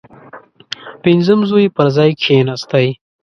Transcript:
پنځم زوی یې پر ځای کښېنستی.